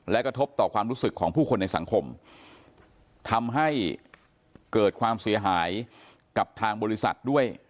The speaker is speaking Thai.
และกระทบต่อความรู้สึกของผู้คนในสังคมทำให้เกิดความเสียหายกับทางบริษัทด้วย